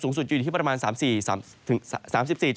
สูงสุดอยู่ที่ประมาณ๓๔๓๕องศาเซลเซียส